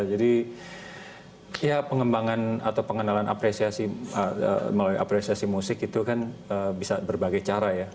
jadi pengembangan atau pengenalan apresiasi musik itu kan bisa berbagai cara ya